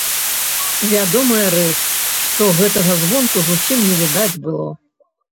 Вядомая рэч, што гэтага звонку зусім не відаць было.